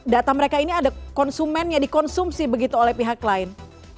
data mereka ini ada konsumennya dikonsumsi begitu oleh pihak lain